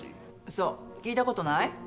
そう聞いたことない？